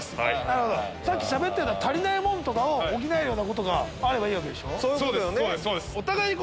なるほどさっきしゃべってた足りないものとかを補えるようなことがあればいいわけでしょ。